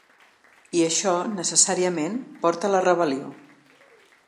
I això, necessàriament, porta a la rebel·lió.